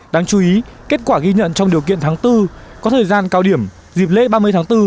đáng chú ý kết quả ghi nhận trong điều kiện tháng bốn có thời gian cao điểm dịp lễ ba mươi tháng bốn